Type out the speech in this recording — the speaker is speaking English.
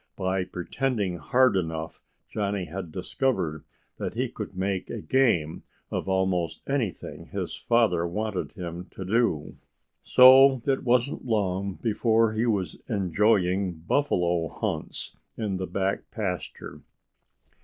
By pretending hard enough, Johnnie had discovered that he could make a game of almost anything his father wanted him to do. So it wasn't long before he was enjoying buffalo hunts in the back pasture.